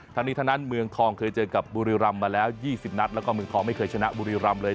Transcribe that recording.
ทั้งนี้ทั้งนั้นเมืองทองเคยเจอกับบุรีรำมาแล้ว๒๐นัดแล้วก็เมืองทองไม่เคยชนะบุรีรำเลย